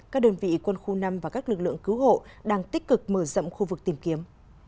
các đơn vị quân khu năm và các lực lượng cứu hộ đang tích cực mở rộng khu vực tìm kiếm